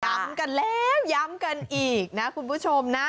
ย้ำกันแล้วย้ำกันอีกนะคุณผู้ชมนะ